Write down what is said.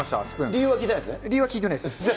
理由は聞いてないですね？